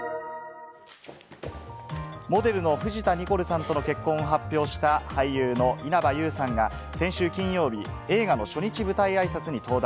モデルの藤田ニコルさんとの結婚を発表した俳優の稲葉友さんが、先週金曜日、映画の初日舞台あいさつに登壇。